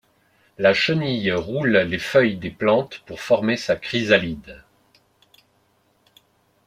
La chenille roule les feuilles des plantes pour former sa chrysalide.